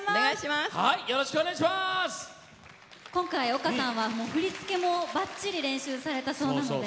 今回丘さんは振り付けもばっちり練習されたそうです。